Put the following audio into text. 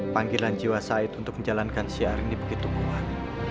panggilan jiwa said untuk menjalankan syiar ini begitu kuat